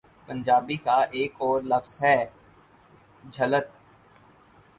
پنجابی کا ایک اور لفظ ہے، ' جھلت‘۔